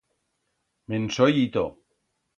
Me'n soi ito.